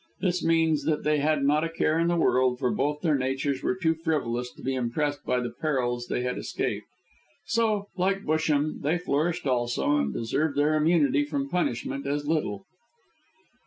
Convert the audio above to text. This means that they had not a care in the world, for both their natures were too frivolous to be impressed by the perils they had escaped. So, like Busham, they flourished also, and deserved their immunity from punishment as little.